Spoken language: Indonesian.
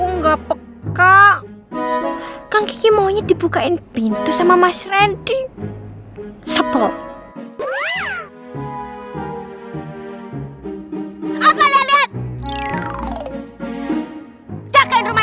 noh buka pintunya noh